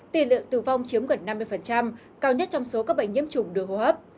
tỷ lượng tử vong chiếm gần năm mươi cao nhất trong số các bệnh nhiễm chủng đưa hô hấp